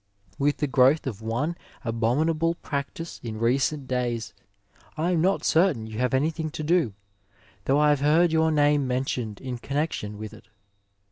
With the growth of one abominable practice in recent days I am not certain you have anything to do, though I have heard your name mentioned in connexion with it.